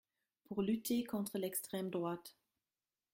Pour lutter contre l’extrême droite.